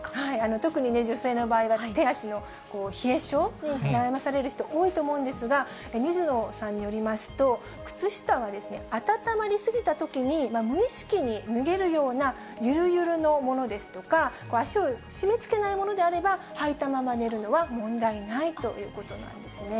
特に女性の場合は手足の冷え性に悩まされる人、多いと思うんですが、水野さんによりますと、靴下は温まり過ぎたときに無意識に脱げるような、ゆるゆるのものですとか、足を締めつけないものであればはいたまま寝るのは問題ないということなんですね。